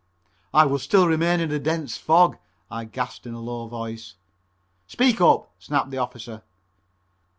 "I would still remain in a dense fog," I gasped in a low voice. "Speak up!" snapped the officer.